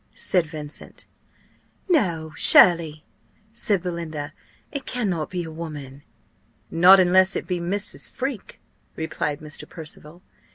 said Vincent. "No, surely," said Belinda: "it cannot be a woman!" "Not unless it be Mrs. Freke," replied Mr. Percival.